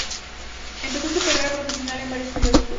Empezó su carrera profesional en varios periódicos.